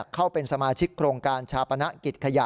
เข้าเป็นสมาชิกโครงการชาปนกิจขยะ